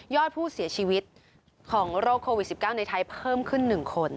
อดผู้เสียชีวิตของโรคโควิด๑๙ในไทยเพิ่มขึ้น๑คน